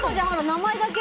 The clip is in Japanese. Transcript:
名前だけ？